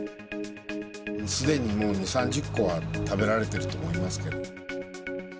すでにもう２、３０個は食べられてると思いますけど。